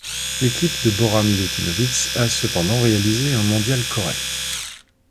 L'équipe de Bora Milutinovic a cependant réalisé un mondial correct.